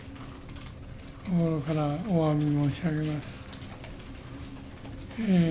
心からおわび申し上げます。